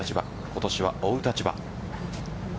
今年は追う立場。